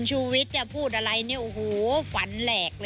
หยั่งปัง